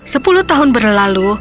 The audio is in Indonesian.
sepuluh tahun berlalu